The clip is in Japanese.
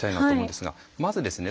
まずですね